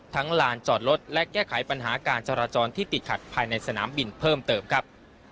ลานจอดรถและแก้ไขปัญหาการจราจรที่ติดขัดภายในสนามบินเพิ่มเติมครับ